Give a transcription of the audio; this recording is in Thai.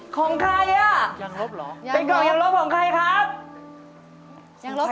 ของใครน่ะเป็นกล่องยังลบของใครครับยังลบหรอ